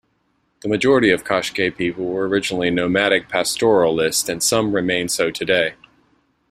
The majority of Qashqai people were originally nomadic pastoralists and some remain so today.